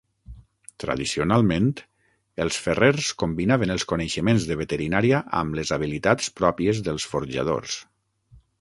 Tradicionalment, els ferrers combinaven els coneixements de veterinària amb les habilitats pròpies dels forjadors.